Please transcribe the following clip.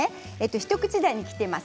一口大に切っています。